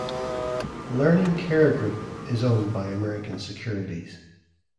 Learning Care Group is owned by American Securities.